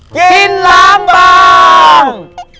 กินล้างบาง